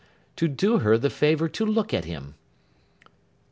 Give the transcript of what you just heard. To do her the favour to look at him!